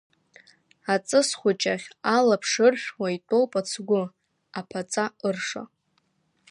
Аҵыс хәыҷ ахь алаԥш ыршәуа, итәоуп ацгәы, аԥаҵа ырша.